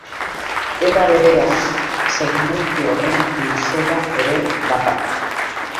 Era berean segmentu horren luzera ere bada.